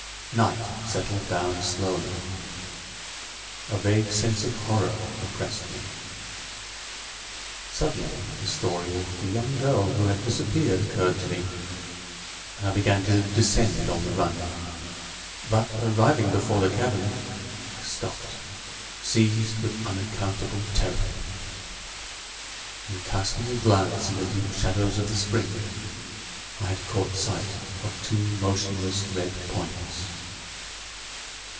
Night settled down slowly. A vague sense of horror oppressed me. Suddenly the story of the young girl who had disappeared occurred to me; and I began to descend on the run; but, arriving before the cavern, I stopped, seized with unaccountable terror: in casting a glance in the deep shadows of the spring I had caught sight of two motionless red points.